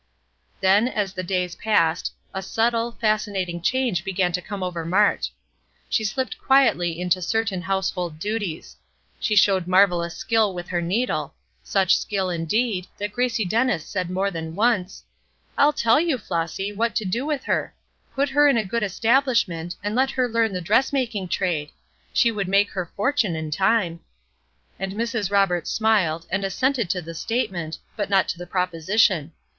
Then, as the days passed, a subtle, fascinating change began to come over Mart. She slipped quietly into certain household duties. She showed marvellous skill with her needle; such skill, indeed, that Gracie Dennis said more than once: "I'll tell you, Flossy, what to do with her: put her in a good establishment, and let her learn the dressmaking trade. She could make her fortune in time." And Mrs. Roberts smiled, and assented to the statement, but not to the proposition.